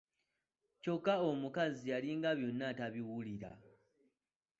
Kyokka omukazi yalinga byonna atabiwulira.